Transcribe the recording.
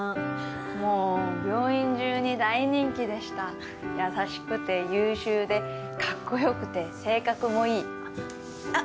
もう病院中に大人気でした優しくて優秀でカッコよくて性格もいいあっ